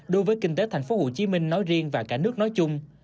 đối với kinh tế tp hcm nói riêng và cả nước nói chung